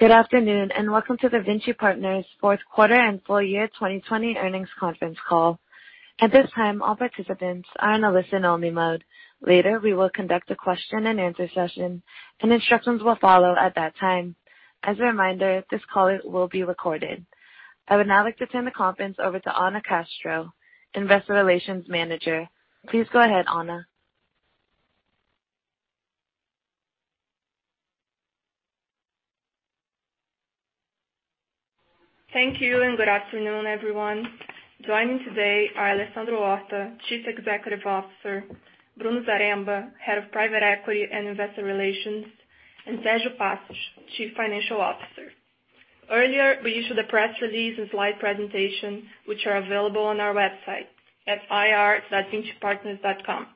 Good afternoon, and welcome to the Vinci Partners' Q4 and Full Year 2020 Earnings Conference Call. At this time, all participants are on a listen-only mode. Later, we will conduct a question and answer session, and instructions will follow at that time. As a reminder, this call will be recorded. I would now like to turn the conference over to Anna Castro, Investor Relations Manager. Please go ahead, Anna. Thank you, and good afternoon, everyone. Joining today are Alessandro Horta, Chief Executive Officer, Bruno Zaremba, Head of Private Equity and Investor Relations, and Sergio Passos, Chief Financial Officer. Earlier, we issued a press release and slide presentation which are available on our website at ir.vincipartners.com.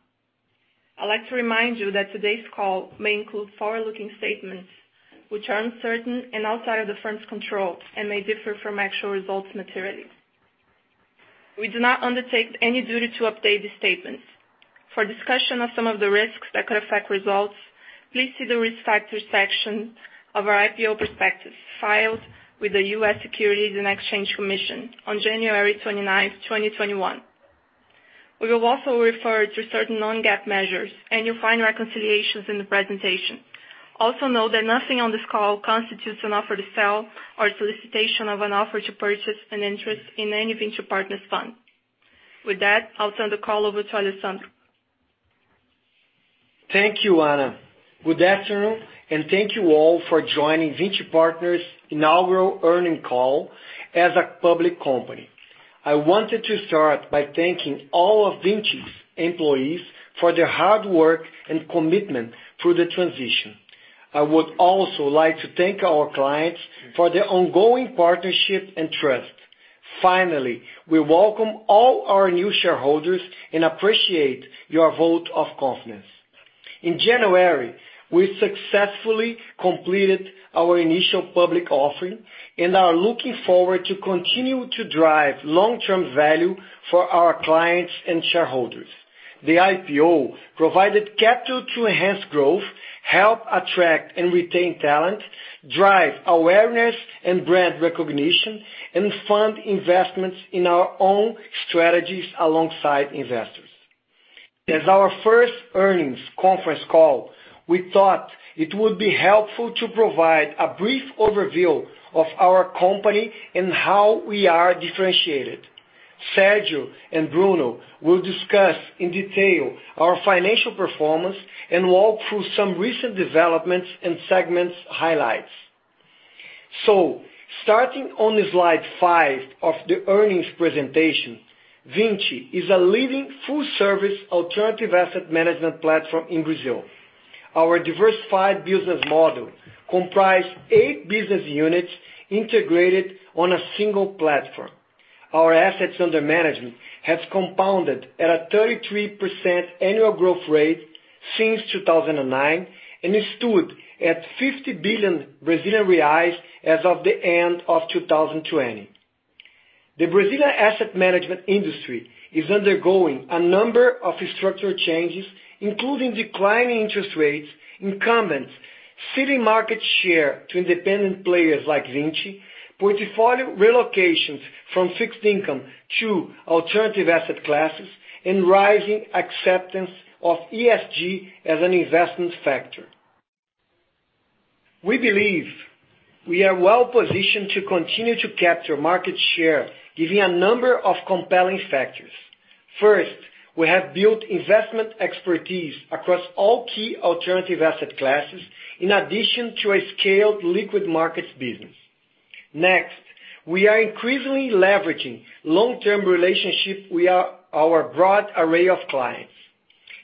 I'd like to remind you that today's call may include forward-looking statements which are uncertain and outside of the firm's control and may differ from actual results materially. We do not undertake any duty to update the statements. For discussion of some of the risks that could affect results, please see the Risk Factors section of our IPO prospectus, filed with the U.S. Securities and Exchange Commission on January 29th, 2021. We will also refer to certain non-GAAP measures, and you'll find reconciliations in the presentation. Also, know that nothing on this call constitutes an offer to sell or solicitation of an offer to purchase an interest in any Vinci Partners fund. With that, I'll turn the call over to Alessandro. Thank you, Anna. Good afternoon, and thank you all for joining Vinci Partners' inaugural earnings call as a public company. I wanted to start by thanking all of Vinci's employees for their hard work and commitment through the transition. I would also like to thank our clients for their ongoing partnership and trust. Finally, we welcome all our new shareholders and appreciate your vote of confidence. In January, we successfully completed our initial public offering, and are looking forward to continue to drive long-term value for our clients and shareholders. The IPO provided capital to enhance growth, help attract and retain talent, drive awareness and brand recognition, and fund investments in our own strategies alongside investors. As our first earnings conference call, we thought it would be helpful to provide a brief overview of our company and how we are differentiated. Sergio and Bruno will discuss in detail our financial performance and walk through some recent developments and segments highlights. Starting on slide five of the earnings presentation, Vinci is a leading full-service alternative asset management platform in Brazil. Our diversified business model comprise eight business units integrated on a single platform. Our assets under management has compounded at a 33% annual growth rate since 2009, and stood at 50 billion Brazilian reais as of the end of 2020. The Brazilian asset management industry is undergoing a number of structural changes, including declining interest rates, incumbents ceding market share to independent players like Vinci, portfolio relocations from fixed income to alternative asset classes, and rising acceptance of ESG as an investment factor. We believe we are well-positioned to continue to capture market share given a number of compelling factors. First, we have built investment expertise across all key alternative asset classes in addition to a scaled liquid markets business. Next, we are increasingly leveraging long-term relationship with our broad array of clients.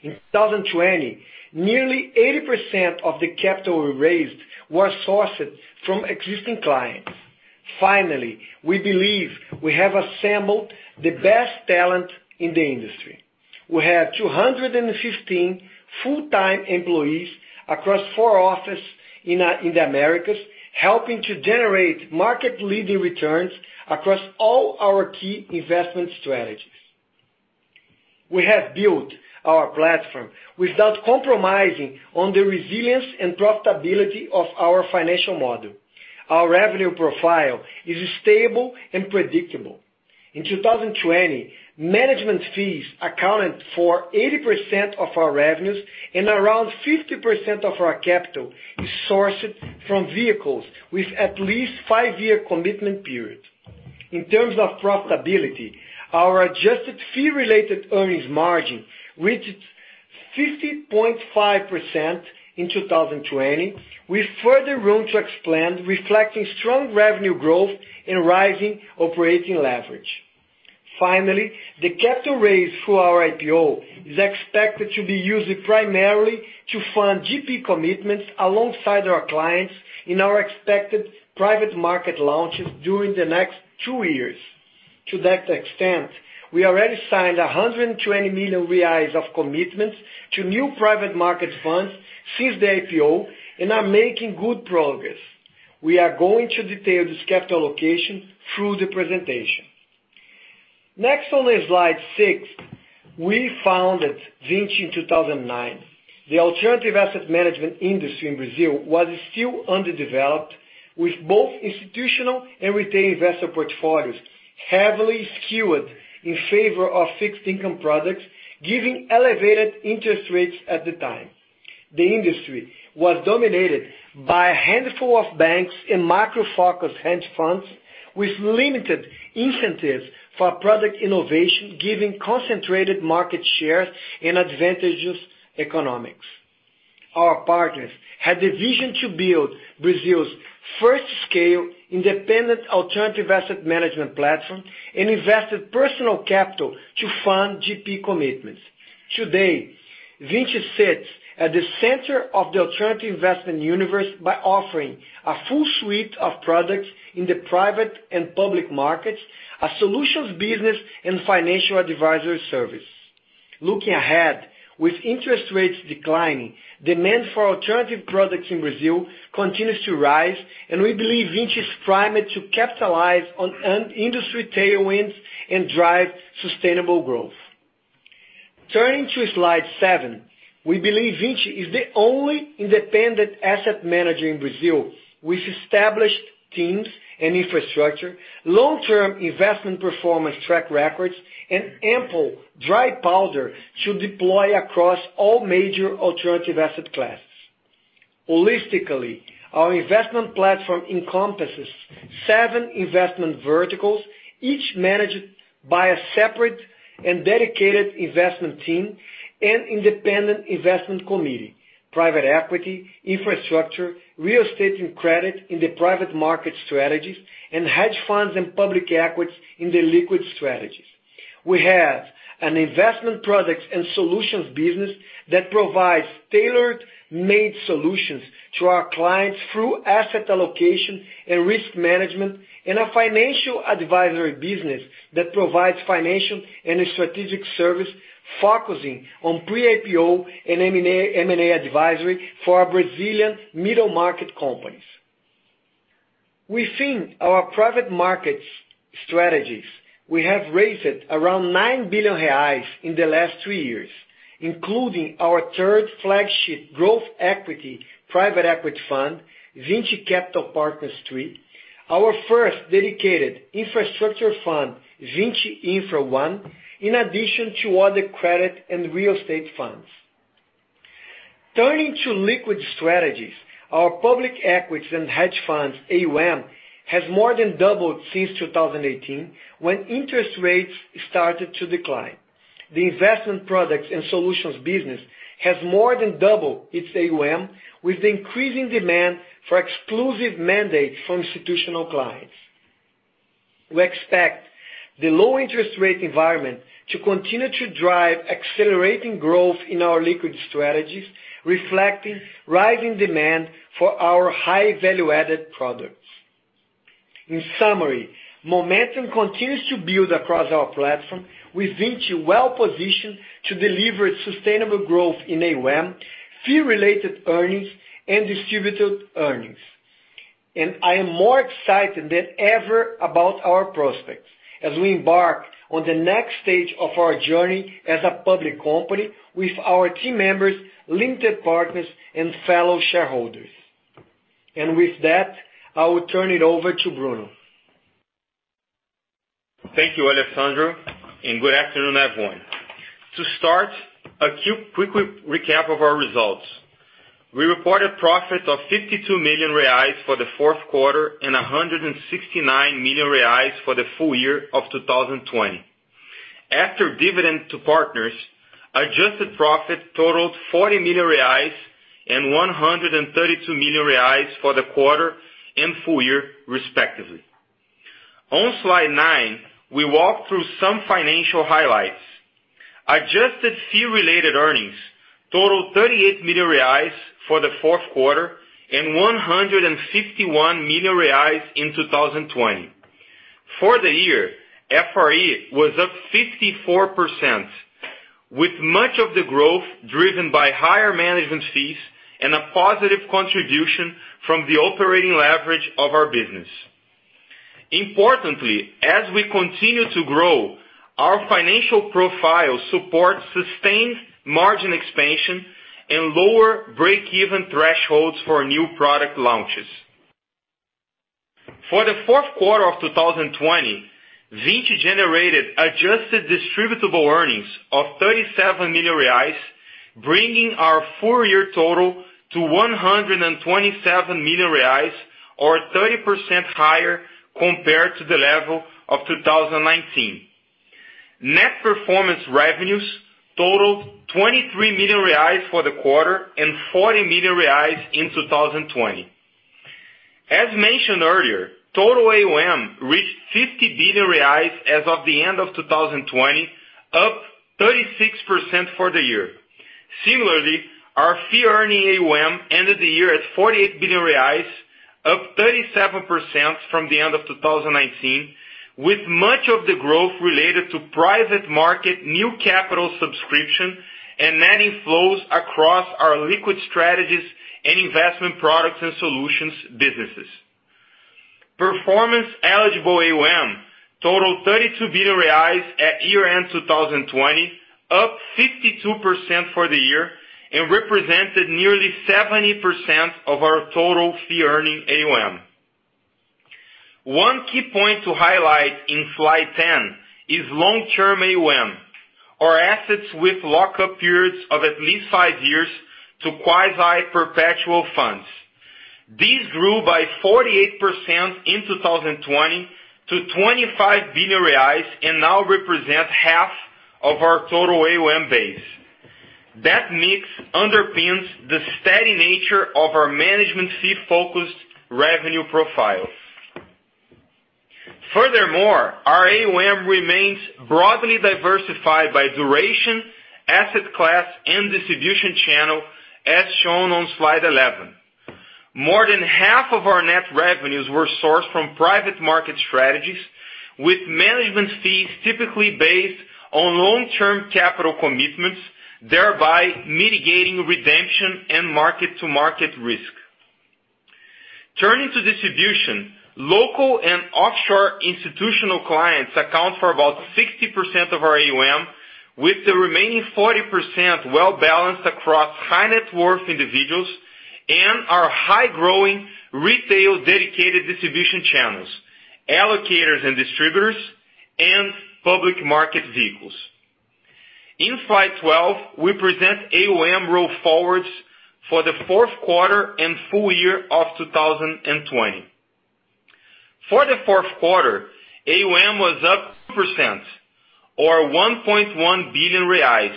In 2020, nearly 80% of the capital we raised was sourced from existing clients. Finally, we believe we have assembled the best talent in the industry. We have 215 full-time employees across four offices in the Americas, helping to generate market-leading returns across all our key investment strategies. We have built our platform without compromising on the resilience and profitability of our financial model. Our revenue profile is stable and predictable. In 2020, management fees accounted for 80% of our revenues and around 50% of our capital is sourced from vehicles with at least five-year commitment period. In terms of profitability, our adjusted fee-related earnings margin reached 50.5% in 2020. We further room to expand, reflecting strong revenue growth and rising operating leverage. Finally, the capital raise through our IPO is expected to be used primarily to fund GP commitments alongside our clients in our expected private market launches during the next two years. To that extent, we already signed 120 million reais of commitments to new private market funds since the IPO and are making good progress. We are going to detail this capital allocation through the presentation. Next on slide six, we founded Vinci in 2009. The alternative asset management industry in Brazil was still underdeveloped, with both institutional and retail investor portfolios heavily skewed in favor of fixed income products, given elevated interest rates at the time. The industry was dominated by a handful of banks and macro-focused hedge funds, with limited incentives for product innovation given concentrated market share and advantageous economics. Our partners had the vision to build Brazil's first scale independent alternative asset management platform and invested personal capital to fund GP commitments. Today, Vinci sits at the center of the alternative investment universe by offering a full suite of products in the private and public markets, a solutions business, and financial advisory service. Looking ahead, with interest rates declining, demand for alternative products in Brazil continues to rise, and we believe Vinci is primed to capitalize on industry tailwinds and drive sustainable growth. Turning to slide seven, we believe Vinci is the only independent asset manager in Brazil with established teams and infrastructure, long-term investment performance track records, and ample dry powder to deploy across all major alternative asset classes. Holistically, our investment platform encompasses seven investment verticals, each managed by a separate and dedicated investment team and independent investment committee, private equity, infrastructure, real estate and credit in the private market strategies, and hedge funds and public equities in the liquid strategies. We have an investment products and solutions business that provides tailored made solutions to our clients through asset allocation and risk management, and a financial advisory business that provides financial and strategic service focusing on pre-IPO and M&A advisory for Brazilian middle-market companies. Within our private markets strategies, we have raised around 9 billion reais in the last three years, including our third flagship growth equity private equity fund, Vinci Capital Partners III, our first dedicated infrastructure fund, Vinci Infra I, in addition to other credit and real estate funds. Turning to liquid strategies, our public equities and hedge funds AUM has more than doubled since 2018, when interest rates started to decline. The Investment Products and Solutions business has more than doubled its AUM with increasing demand for exclusive mandates from institutional clients. We expect the low interest rate environment to continue to drive accelerating growth in our liquid strategies, reflecting rising demand for our high value-added products. In summary, momentum continues to build across our platform with Vinci well-positioned to deliver sustainable growth in AUM, Fee-Related Earnings, and distributed earnings. I am more excited than ever about our prospects as we embark on the next stage of our journey as a public company with our team members, limited partners, and fellow shareholders. With that, I will turn it over to Bruno. Thank you, Alessandro, and good afternoon, everyone. To start, a quick recap of our results. We reported profit of 52 million reais for the Q4 and 169 million reais for the full year of 2020. After dividend to partners, adjusted profit totaled 40 million reais and 132 million reais for the quarter and full year respectively. On slide nine, we walk through some financial highlights. Adjusted fee related earnings totaled 38 million reais for the Q4 and 151 million reais in 2020. For the year, FRE was up 54%, with much of the growth driven by higher management fees and a positive contribution from the operating leverage of our business. Importantly, as we continue to grow, our financial profile supports sustained margin expansion and lower break-even thresholds for new product launches. For the Q4 of 2020, Vinci generated adjusted distributable earnings of 37 million reais, bringing our full-year total to 127 million reais, or 30% higher compared to the level of 2019. Net performance revenues totaled 23 million reais for the quarter and 40 million reais in 2020. As mentioned earlier, total AUM reached 50 billion reais as of the end of 2020, up 36% for the year. Similarly, our fee-earning AUM ended the year at 48 billion reais, up 37% from the end of 2019, with much of the growth related to private market new capital subscription and net inflows across our liquid strategies and Investment Products & Solutions businesses. performance-eligible AUM totaled 32 billion reais at year end 2020, up 52% for the year, and represented nearly 70% of our total fee-earning AUM. One key point to highlight in slide 10 is long-term AUM, or assets with lockup periods of at least five years to quasi-perpetual funds. These grew by 48% in 2020 to 25 billion reais and now represent half of our total AUM base. That mix underpins the steady nature of our management fee focused revenue profile. Our AUM remains broadly diversified by duration, asset class, and distribution channel, as shown on slide 11. More than half of our net revenues were sourced from private market strategies with management fees typically based on long-term capital commitments, thereby mitigating redemption and market-to-market risk. Turning to distribution, local and offshore institutional clients account for about 60% of our AUM, with the remaining 40% well-balanced across high net worth individuals and our high growing retail dedicated distribution channels, allocators and distributors, and public market vehicles. In slide 12, we present AUM row forwards for the Q4 and full year of 2020. For the Q4, AUM was up 2% or 1.1 billion reais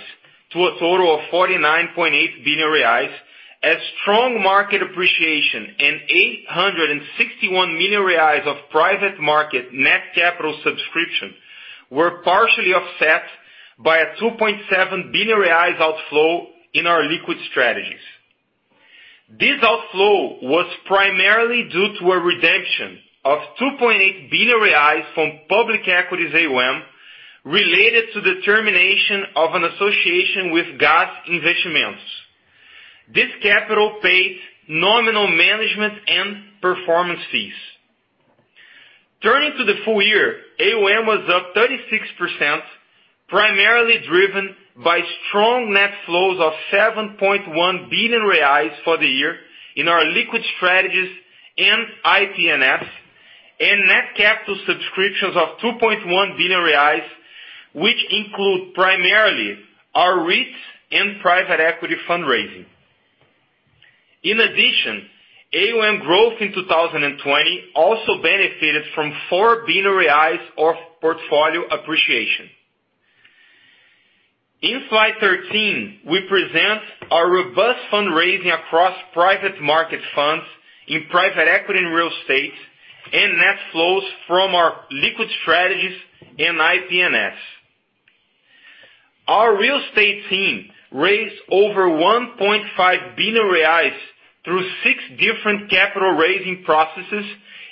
to a total of 49.8 billion reais as strong market appreciation and 861 million reais of private market net capital subscription were partially offset by a 2.7 billion reais outflow in our liquid strategies. This outflow was primarily due to a redemption of 2.8 billion reais from public equities AUM related to the termination of an association with GAS Investimentos. This capital pays nominal management and performance fees. Turning to the full year, AUM was up 36%, primarily driven by strong net flows of 7.1 billion reais for the year in our liquid strategies and IP&S, and net capital subscriptions of 2.1 billion reais, which include primarily our REITs and private equity fundraising. In addition, AUM growth in 2020 also benefited from 4 billion of portfolio appreciation. In slide 13, we present our robust fundraising across private market funds in private equity and real estate, and net flows from our liquid strategies and IP&S. Our real estate team raised over 1.5 billion reais through six different capital raising processes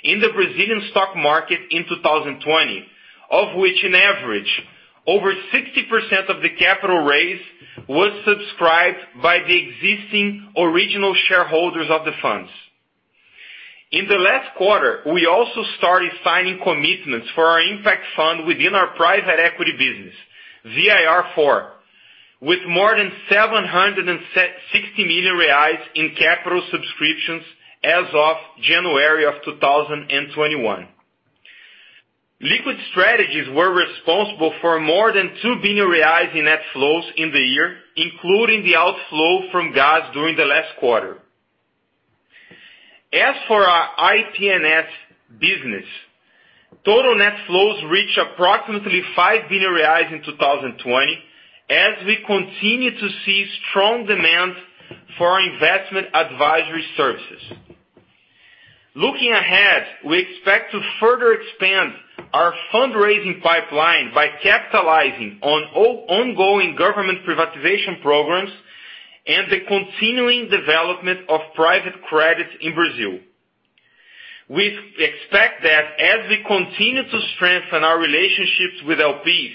in the Brazilian stock market in 2020, of which on average over 60% of the capital raised was subscribed by the existing original shareholders of the funds. In the last quarter, we also started signing commitments for our impact fund within our private equity business, VIR IV, with more than 760 million reais in capital subscriptions as of January 2021. Liquid strategies were responsible for more than 2 billion reais in net flows in the year, including the outflow from GAS during the last quarter. As for our IP&S business, total net flows reached approximately 5 billion reais in 2020, as we continue to see strong demand for our investment advisory services. Looking ahead, we expect to further expand our fundraising pipeline by capitalizing on ongoing government privatization programs and the continuing development of private credit in Brazil. We expect that as we continue to strengthen our relationships with LPs,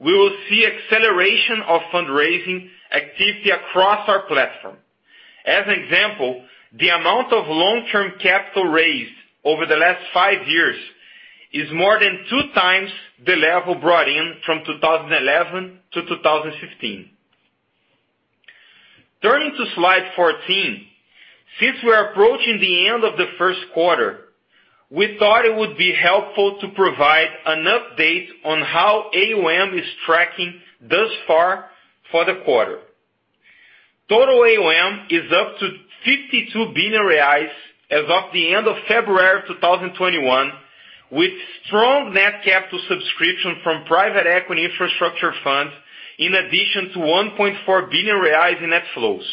we will see acceleration of fundraising activity across our platform. As an example, the amount of long-term capital raised over the last five years is more than two times the level brought in from 2011 to 2015. Turning to slide 14, since we're approaching the end of the Q1, we thought it would be helpful to provide an update on how AUM is tracking thus far for the quarter. Total AUM is up to 52 billion reais as of the end of February 2021, with strong net capital subscription from private equity infrastructure funds in addition to 1.4 billion reais in net flows.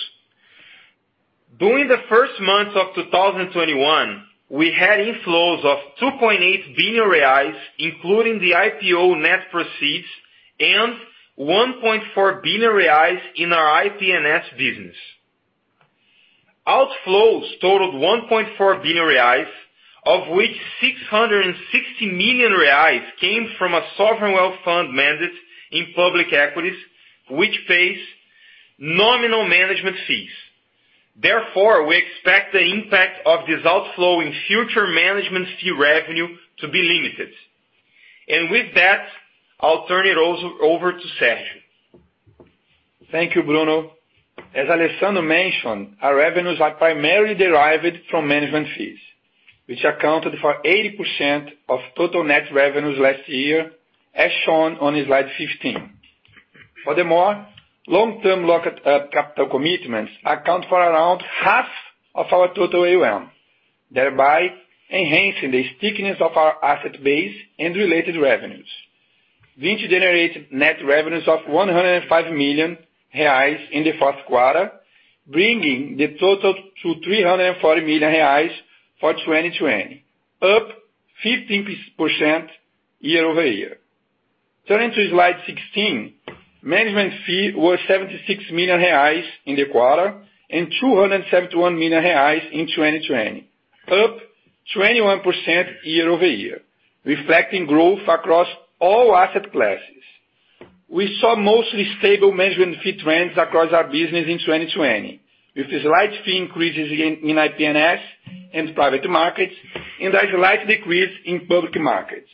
During the first months of 2021, we had inflows of 2.8 billion reais, including the IPO net proceeds and 1.4 billion reais in our IP&S business. Outflows totaled 1.4 billion reais, of which 660 million reais came from a sovereign wealth fund mandate in public equities, which pays nominal management fees. Therefore, we expect the impact of this outflow in future management fee revenue to be limited. With that, I'll turn it over to Sergio. Thank you, Bruno. As Alessandro mentioned, our revenues are primarily derived from management fees, which accounted for 80% of total net revenues last year, as shown on slide 15. Furthermore, long-term locked up capital commitments account for around half of our total AUM, thereby enhancing the stickiness of our asset base and related revenues. Vinci generated net revenues of 105 million reais in the Q4, bringing the total to 340 million reais for 2020, up 15% year-over-year. Turning to slide sixteen, management fee was 76 million reais in the quarter, and 271 million reais in 2020, up 21% year-over-year, reflecting growth across all asset classes. We saw mostly stable management fee trends across our business in 2020, with slight fee increases in IP&S and private markets, and a slight decrease in public markets.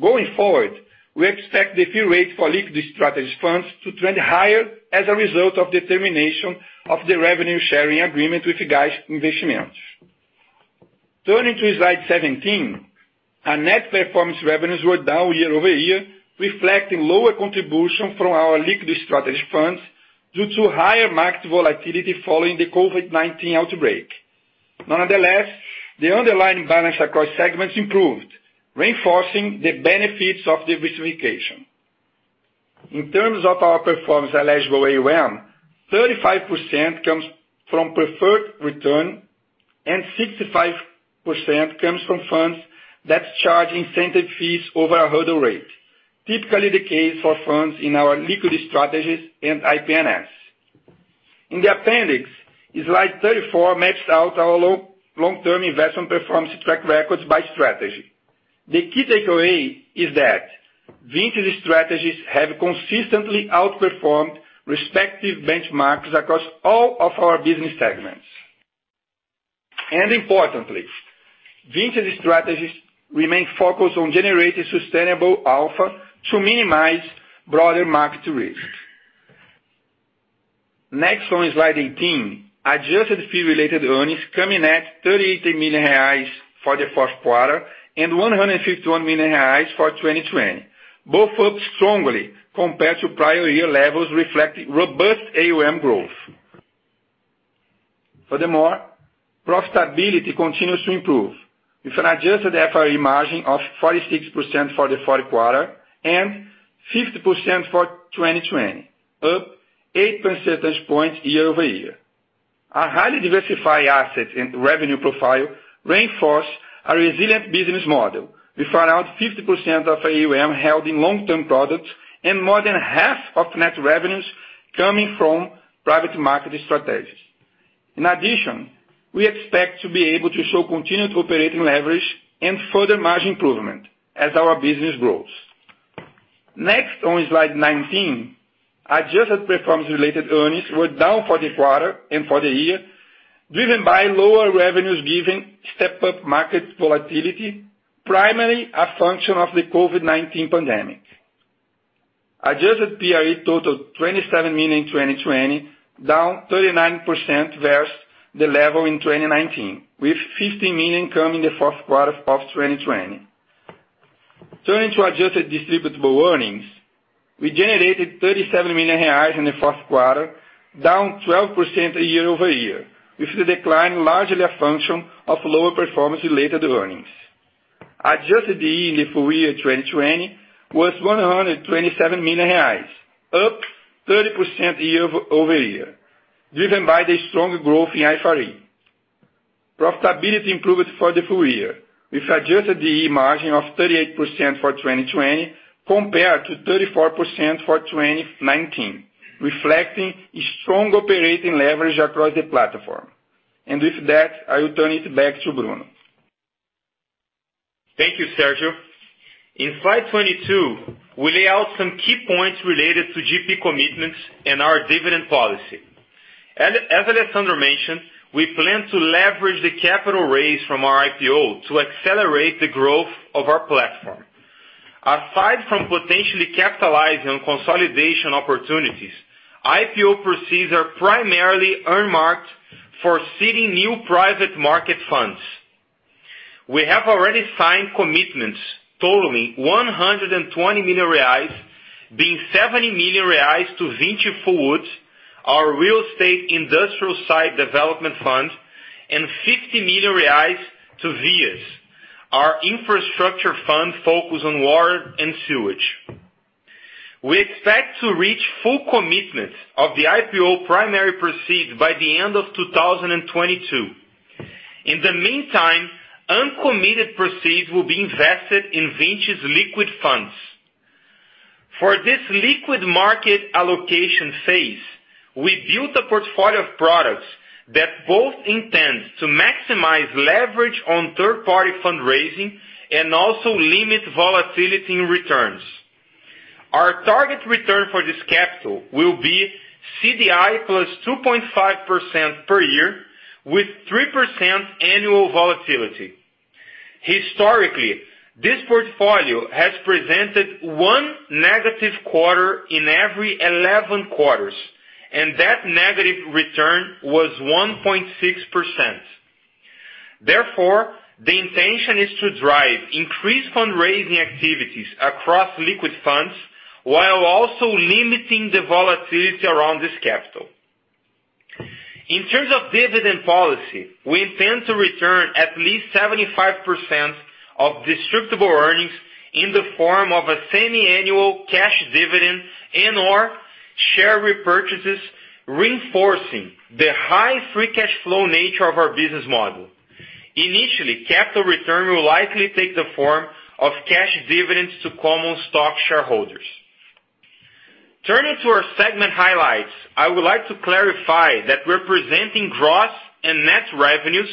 Going forward, we expect the fee rate for liquidity strategies funds to trend higher as a result of the termination of the revenue sharing agreement with GAS Investimentos. Turning to slide 17, our net performance revenues were down year-over-year, reflecting lower contribution from our liquidity strategies funds due to higher market volatility following the COVID-19 outbreak. Nonetheless, the underlying balance across segments improved, reinforcing the benefits of diversification. In terms of our performance eligible AUM, 35% comes from preferred return and 65% comes from funds that charge incentive fees over a hurdle rate. Typically the case for funds in our liquidity strategies and IP&S. In the appendix, slide 34 maps out our long-term investment performance track records by strategy. The key takeaway is that Vinci strategies have consistently outperformed respective benchmarks across all of our business segments. Importantly, Vinci strategies remain focused on generating sustainable alpha to minimize broader market risk. Next, on slide 18, adjusted fee related earnings coming at 38 million reais for the Q4, and 151 million reais for 2020. Both up strongly compared to prior year levels reflecting robust AUM growth. Furthermore, profitability continues to improve with an adjusted FRE margin of 46% for the Q4 and 50% for 2020, up eight percentage points year-over-year. Our highly diversified assets and revenue profile reinforce our resilient business model with around 50% of AUM held in long-term products and more than half of net revenues coming from private market strategies. In addition, we expect to be able to show continued operating leverage and further margin improvement as our business grows. Next on slide 19, adjusted performance related earnings were down for the quarter and for the year, driven by lower revenues given step-up market volatility, primarily a function of the COVID-19 pandemic. Adjusted PRE totaled 27 million in 2020, down 39% versus the level in 2019, with 15 million coming in the Q1 of 2020. Turning to adjusted distributable earnings, we generated 37 million reais in the Q4, down 12% year-over-year, with the decline largely a function of lower performance related earnings. Adjusted DE for year 2020 was 127 million reais, up 30% year-over-year, driven by the strong growth in FRE. Profitability improved for the full year with adjusted DE margin of 38% for 2020 compared to 34% for 2019, reflecting a strong operating leverage across the platform. With that, I will turn it back to Bruno. Thank you, Sergio. In slide 22, we lay out some key points related to GP commitments and our dividend policy. As Alessandro mentioned, we plan to leverage the capital raise from our IPO to accelerate the growth of our platform. Aside from potentially capitalizing on consolidation opportunities, IPO proceeds are primarily earmarked for seeding new private market funds. We have already signed commitments totaling 120 million reais, being 70 million reais to Vinci Forward, our real estate industrial site development fund, and 50 million reais to VIAS, our infrastructure fund focused on water and sewage. We expect to reach full commitments of the IPO primary proceeds by the end of 2022. In the meantime, uncommitted proceeds will be invested in Vinci's liquid funds. For this liquid market allocation phase, we built a portfolio of products that both intends to maximize leverage on third-party fundraising and also limit volatility in returns. Our target return for this capital will be CDI plus 2.5% per year with 3% annual volatility. Historically, this portfolio has presented one negative quarter in every 11 quarters, and that negative return was 1.6%. The intention is to drive increased fundraising activities across liquid funds while also limiting the volatility around this capital. In terms of dividend policy, we intend to return at least 75% of distributable earnings in the form of a semiannual cash dividend and/or share repurchases, reinforcing the high free cash flow nature of our business model. Initially, capital return will likely take the form of cash dividends to common stock shareholders. Turning to our segment highlights, I would like to clarify that we're presenting gross and net revenues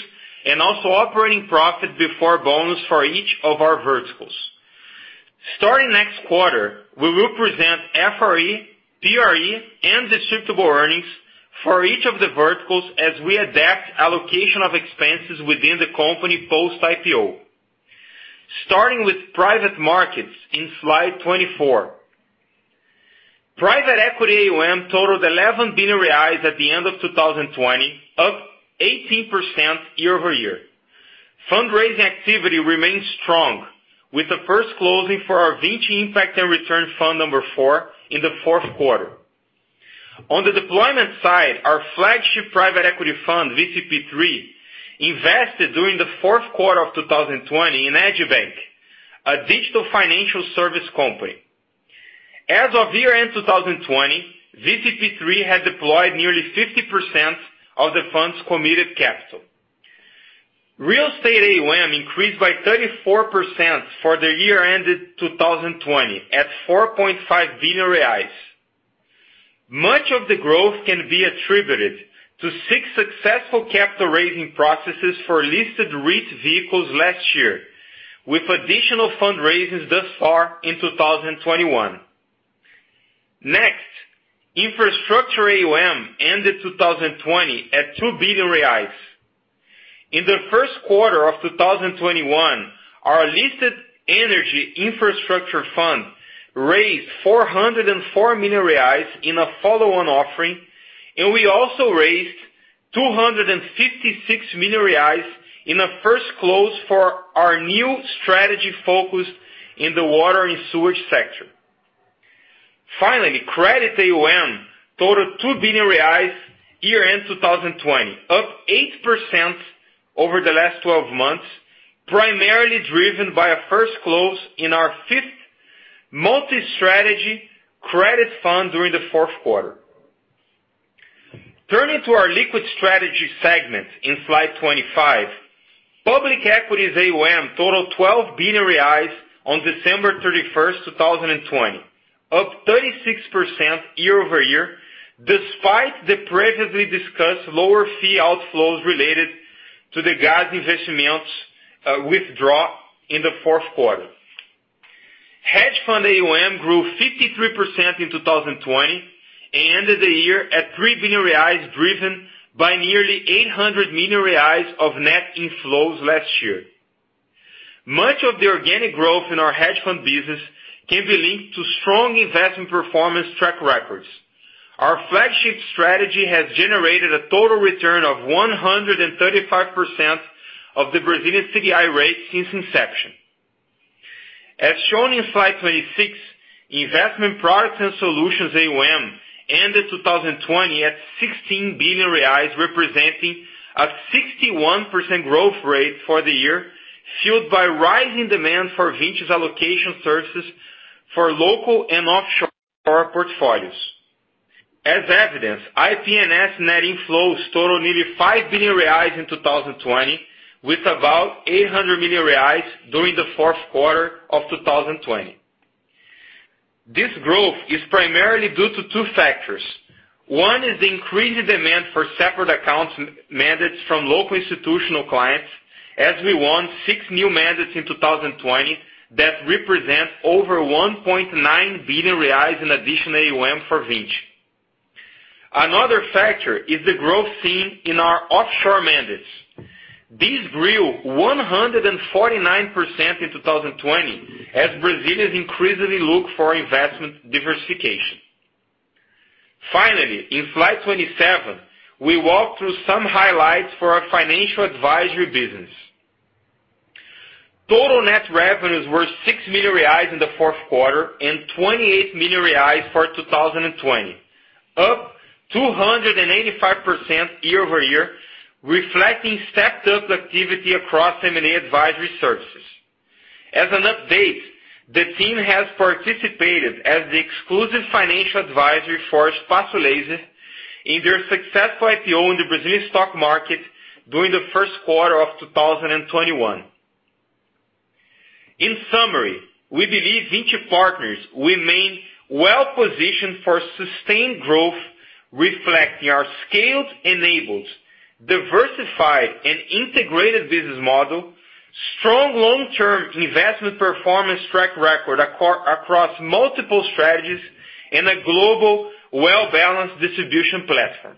and also operating profit before bonus for each of our verticals. Starting next quarter, we will present FRE, PRE, and distributable earnings for each of the verticals as we adapt allocation of expenses within the company post-IPO. Starting with private markets in slide 24. Private equity AUM totaled 11 billion reais at the end of 2020, up 18% year-over-year. Fundraising activity remains strong with the first closing for our Vinci Impact & Return Fund number four in the Q4. On the deployment side, our flagship private equity fund, VCP3, invested during the Q4 of 2020 in Agibank, a digital financial service company. As of year-end 2020, VCP3 had deployed nearly 50% of the fund's committed capital. Real estate AUM increased by 34% for the year ended 2020 at 4.5 billion reais. Much of the growth can be attributed to six successful capital raising processes for listed REIT vehicles last year, with additional fundraisings thus far in 2021. Next, infrastructure AUM ended 2020 at 2 billion reais. In the Q1 of 2021, our listed energy infrastructure fund raised 404 million reais in a follow-on offering, and we also raised 256 million reais in a first close for our new strategy focused in the water and sewage sector. Finally, credit AUM totaled 2 billion reais year-end 2020, up 8% over the last 12 months, primarily driven by a first close in our fifth multi-strategy credit fund during the Q4. Turning to our liquid strategy segment in slide 25, public equities AUM totaled 12 billion reais on December 31st, 2020, up 36% year-over-year, despite the previously discussed lower fee outflows related to the GAS Investimentos withdrawal in the Q4. Hedge fund AUM grew 53% in 2020 and ended the year at 3 billion reais driven by nearly 800 million reais of net inflows last year. Much of the organic growth in our hedge fund business can be linked to strong investment performance track records. Our flagship strategy has generated a total return of 135% of the Brazilian CDI rate since inception. As shown in slide 26, investment products and solutions AUM ended 2020 at 16 billion reais, representing a 61% growth rate for the year, fueled by rising demand for Vinci's allocation services for local and offshore portfolios. As evidenced, IP&S net inflows totaled nearly 5 billion reais in 2020, with about 800 million reais during the Q4 of 2020. This growth is primarily due to two factors. One is the increased demand for separate accounts mandates from local institutional clients as we won six new mandates in 2020 that represent over 1.9 billion reais in additional AUM for Vinci. Another factor is the growth seen in our offshore mandates. These grew 149% in 2020 as Brazilians increasingly look for investment diversification. Finally, in slide 27, we walk through some highlights for our financial advisory business. Total net revenues were 6 million reais in the Q4 and 28 million reais for 2020, up 285% year-over-year, reflecting stepped-up activity across M&A advisory services. As an update, the team has participated as the exclusive financial advisor for Espaçolaser in their successful IPO in the Brazilian stock market during the Q1 of 2021. In summary, we believe Vinci Partners remain well-positioned for sustained growth, reflecting our scaled, enabled, diversified, and integrated business model, strong long-term investment performance track record across multiple strategies, and a global well-balanced distribution platform.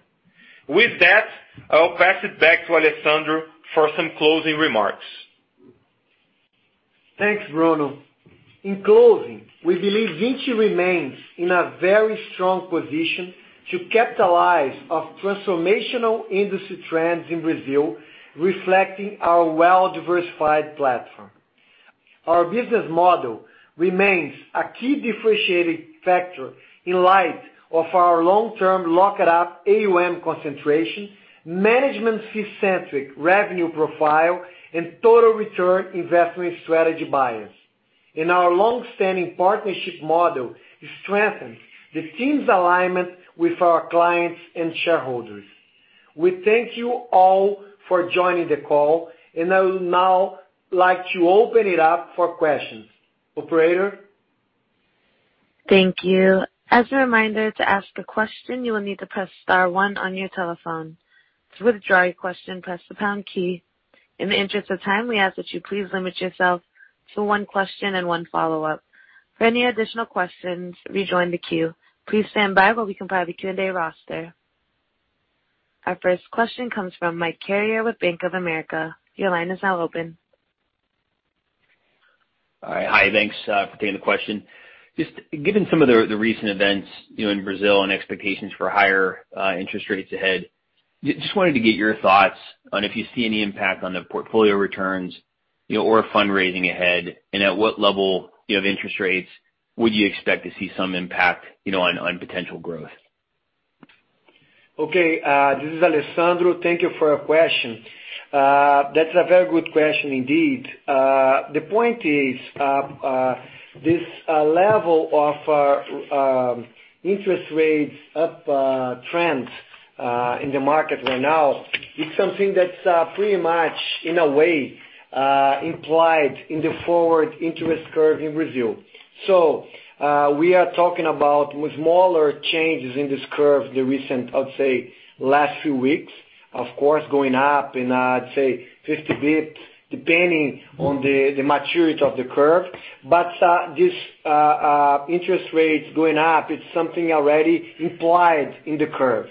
With that, I will pass it back to Alessandro for some closing remarks. Thanks, Bruno. In closing, we believe Vinci remains in a very strong position to capitalize off transformational industry trends in Brazil, reflecting our well-diversified platform. Our business model remains a key differentiating factor in light of our long-term locked-up AUM concentration, management fee-centric revenue profile, and total return investment strategy bias. Our long-standing partnership model strengthens the team's alignment with our clients and shareholders. We thank you all for joining the call, and I would now like to open it up for questions. Operator? Thank you. As a reminder, to ask a question, you will need to press star one on your telephone. To withdraw your question, press the pound key. In the interest of time, we ask that you please limit yourself to one question and one follow-up. For any additional questions, rejoin the queue. Please stand by while we compile the Q&A roster. Our first question comes from Mike Carrier with Bank of America. Your line is now open. Hi. Thanks for taking the question. Just given some of the recent events in Brazil and expectations for higher interest rates ahead, just wanted to get your thoughts on if you see any impact on the portfolio returns or fundraising ahead, and at what level of interest rates would you expect to see some impact on potential growth? Okay. This is Alessandro. Thank you for your question. That's a very good question indeed. The point is, this level of interest rates up trend in the market right now is something that's pretty much, in a way, implied in the forward interest curve in Brazil. We are talking about with smaller changes in this curve the recent, I would say, last few weeks, of course, going up in, I'd say, 50 basis points, depending on the maturity of the curve. This interest rates going up, it's something already implied in the curve.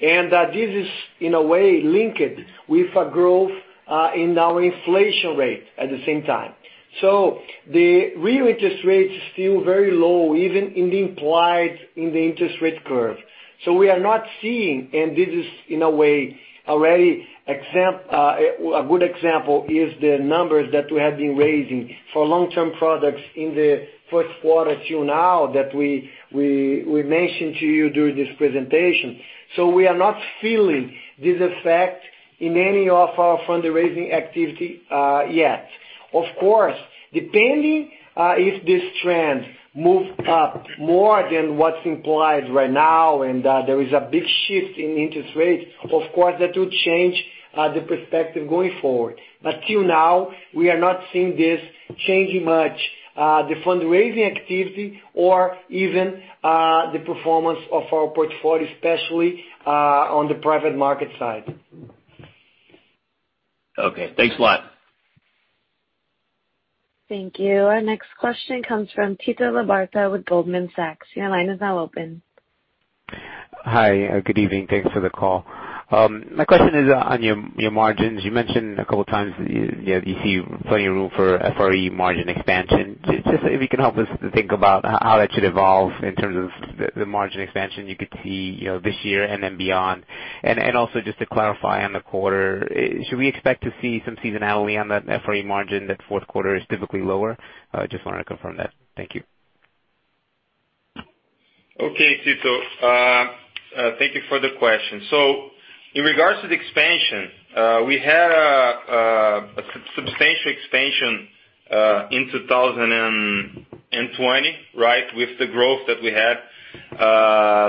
This is, in a way, linked with a growth in our inflation rate at the same time. The real interest rate is still very low, even in the implied in the interest rate curve. We are not seeing, and this is in a way already a good example, is the numbers that we have been raising for long-term products in the Q1 till now that we mentioned to you during this presentation. We are not feeling this effect in any of our fundraising activity yet. Of course, depending if this trend moves up more than what's implied right now and there is a big shift in interest rates, of course that will change the perspective going forward. Till now, we are not seeing this changing much the fundraising activity or even the performance of our portfolio, especially on the private market side. Okay. Thanks a lot. Thank you. Our next question comes from Tito Labarta with Goldman Sachs. Your line is now open. Hi. Good evening. Thanks for the call. My question is on your margins. You mentioned a couple of times you see plenty of room for FRE margin expansion. Just if you can help us think about how that should evolve in terms of the margin expansion you could see this year and then beyond. Also, just to clarify on the quarter, should we expect to see some seasonality on that FRE margin, that Q4 is typically lower? Just want to confirm that. Thank you. Okay, Tito. Thank you for the question. In regards to the expansion, we had a substantial expansion in 2020, with the growth that we had.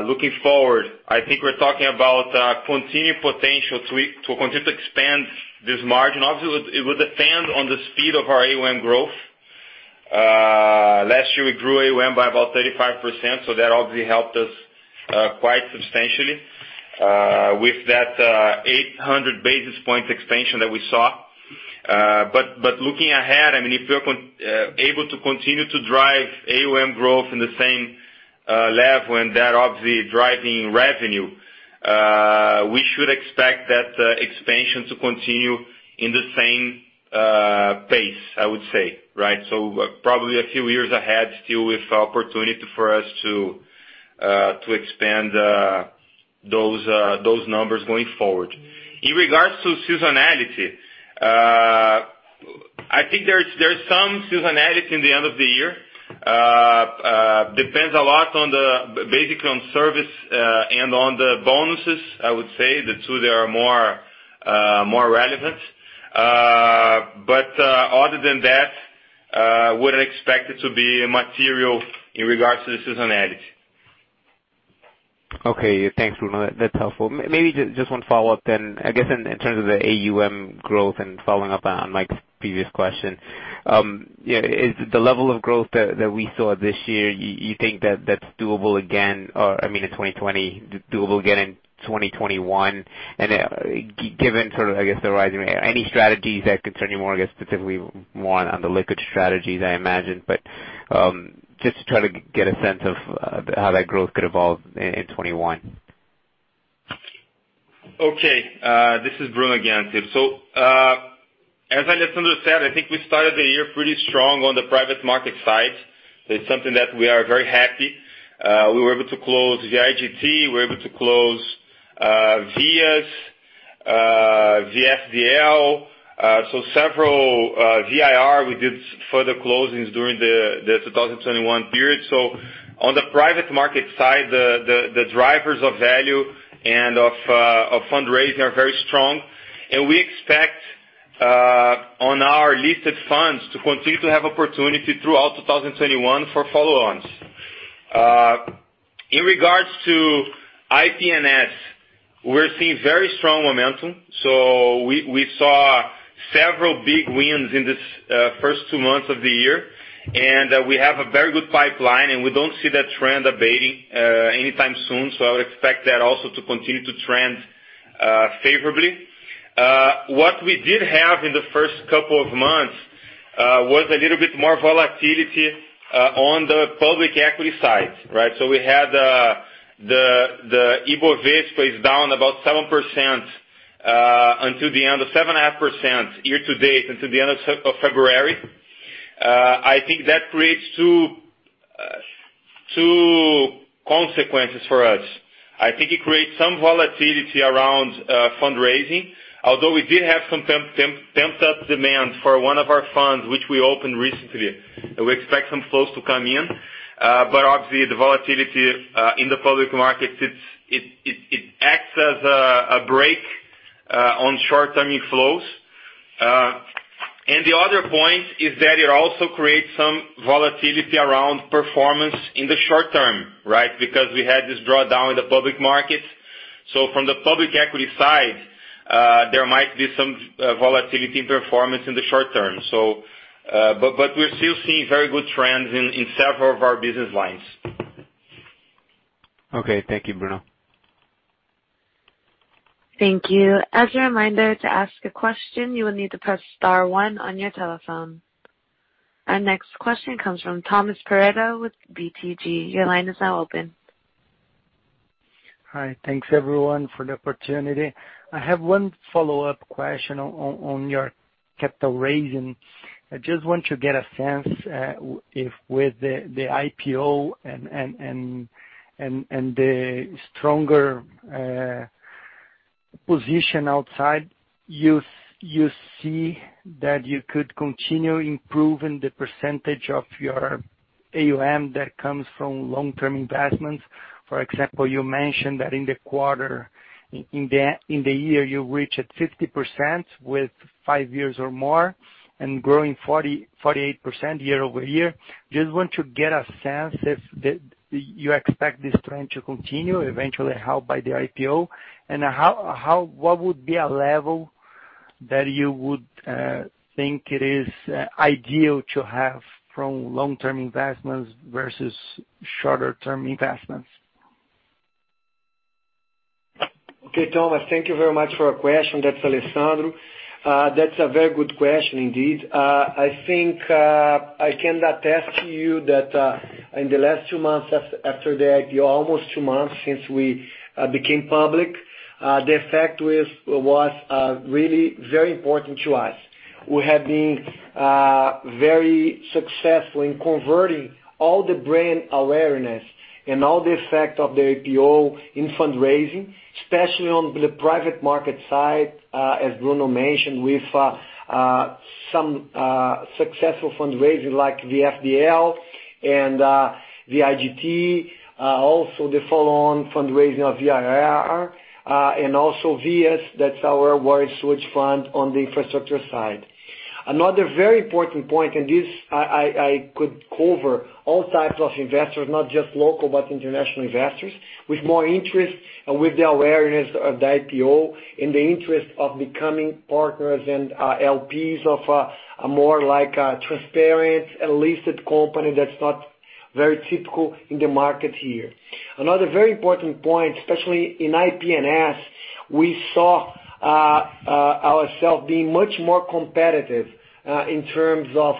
Looking forward, I think we're talking about continued potential to continue to expand this margin. Obviously, it would depend on the speed of our AUM growth. Last year we grew AUM by about 35%, so that obviously helped us quite substantially with that 800 basis point expansion that we saw. Looking ahead, if we are able to continue to drive AUM growth in the same level and that obviously driving revenue, we should expect that expansion to continue in the same pace, I would say. Probably a few years ahead still with opportunity for us to expand those numbers going forward. In regards to seasonality, I think there is some seasonality in the end of the year. Depends a lot basically on service and on the bonuses, I would say the two that are more relevant. Other than that, wouldn't expect it to be material in regards to the seasonality. Okay. Thanks, Bruno. That's helpful. Maybe just one follow-up then, I guess, in terms of the AUM growth and following up on Mike's previous question. Is the level of growth that we saw this year, you think that's doable again in 2020, doable again in 2021? Given sort of, I guess, the rise, any strategies that concern you more, I guess, specifically more on the liquid strategies, I imagine. Just to try to get a sense of how that growth could evolve in 2021. Okay. This is Bruno again. As Alessandro said, I think we started the year pretty strong on the private market side. It's something that we are very happy. We were able to close VIGT, we were able to close VISC, VILG, so several VIR we did further closings during the 2021 period. On the private market side, the drivers of value and of fundraising are very strong, and we expect on our listed funds to continue to have opportunity throughout 2021 for follow-ons. In regards to IP&S, we're seeing very strong momentum. We saw several big wins in this first two months of the year, and we have a very good pipeline, and we don't see that trend abating anytime soon. I would expect that also to continue to trend favorably. What we did have in the first couple of months was a little bit more volatility on the public equity side, right? We had the IBOV down about 7.5% year to date until the end of February. I think that creates two consequences for us. I think it creates some volatility around fundraising, although we did have some pent-up demand for one of our funds, which we opened recently, and we expect some flows to come in. Obviously, the volatility in the public markets, it acts as a break on short-term inflows. The other point is that it also creates some volatility around performance in the short term, right? Because we had this drawdown in the public markets. From the public equity side, there might be some volatility in performance in the short term. We're still seeing very good trends in several of our business lines. Okay. Thank you, Bruno. Thank you. As a reminder, to ask a question, you will need to press star one on your telephone. Our next question comes from Thomas Paretto with BTG. Your line is now open. Hi. Thanks everyone for the opportunity. I have one follow-up question on your capital raising. I just want to get a sense if with the IPO and the stronger position outside, you see that you could continue improving the percentage of your AUM that comes from long-term investments. For example, you mentioned that in the quarter, in the year, you reached 50% with five years or more and growing 48% year-over-year. Just want to get a sense if you expect this trend to continue eventually helped by the IPO, and what would be a level that you would think it is ideal to have from long-term investments versus shorter-term investments? Okay, Thomas, thank you very much for your question. That's Alessandro. That's a very good question indeed. I think I can attest to you that in the last two months after the IPO, almost two months since we became public, the effect was really very important to us. We have been very successful in converting all the brand awareness and all the effect of the IPO in fundraising, especially on the private market side as Bruno mentioned, with some successful fundraising like VSDL and VIGT, also the follow-on fundraising of VIR, and also VIAS, that's our water and sewage fund on the infrastructure side. Another very important point, and this I could cover all types of investors, not just local but international investors with more interest and with the awareness of the IPO and the interest of becoming partners and LPs of a more transparent and listed company that's not very typical in the market here. Another very important point, especially in IP&S, we saw ourselves being much more competitive in terms of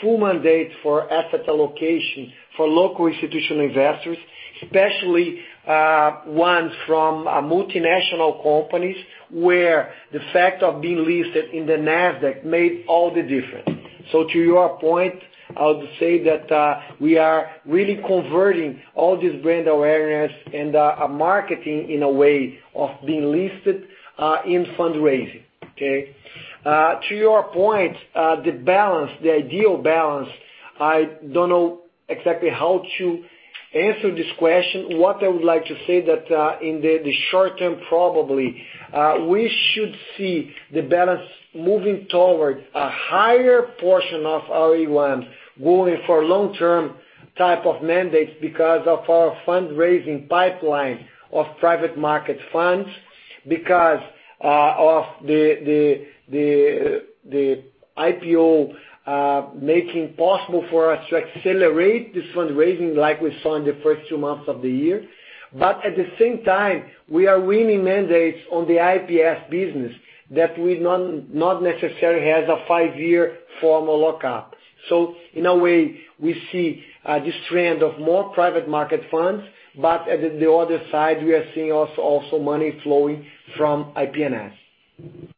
full mandate for asset allocation for local institutional investors, especially ones from multinational companies, where the fact of being listed in the NASDAQ made all the difference. To your point, I would say that we are really converting all this brand awareness and marketing in a way of being listed in fundraising, okay? To your point, the ideal balance, I don't know exactly how to answer this question. What I would like to say that in the short term probably, we should see the balance moving towards a higher portion of AUM going for long-term type of mandates because of our fundraising pipeline of private market funds. Because of the IPO making possible for us to accelerate this fundraising like we saw in the first two months of the year. At the same time, we are winning mandates on the IP&S business that we not necessarily has a five-year formal lockup. in a way, we see this trend of more private market funds, but at the other side, we are seeing also money flowing from IP&S.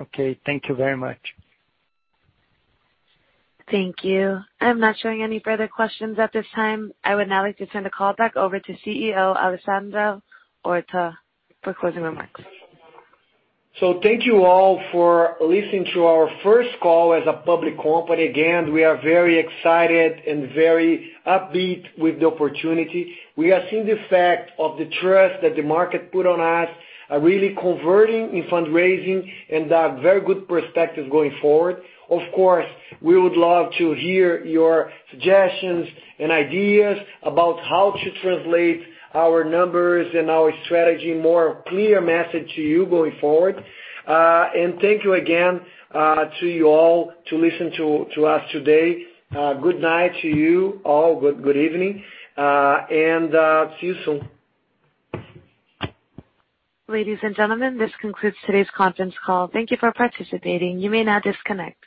Okay. Thank you very much. Thank you. I'm not showing any further questions at this time. I would now like to turn the call back over to CEO Alessandro Horta for closing remarks. Thank you all for listening to our first call as a public company. Again, we are very excited and very upbeat with the opportunity. We are seeing the effect of the trust that the market put on us are really converting in fundraising and a very good perspective going forward. Of course, we would love to hear your suggestions and ideas about how to translate our numbers and our strategy more clear message to you going forward. Thank you again to you all to listen to us today. Good night to you all. Good evening, and see you soon. Ladies and gentlemen, this concludes today's conference call. Thank you for participating. You may now disconnect.